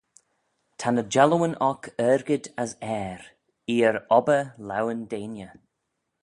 Ta ny jallooyn oc argid as airh: eer obbyr laueyn deiney.